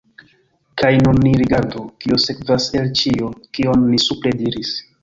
Kaj nun ni rigardu, kio sekvas el ĉio, kion ni supre diris.